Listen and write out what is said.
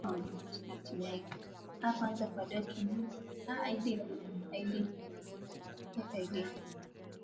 Tumia viazi visivyokua na mafuta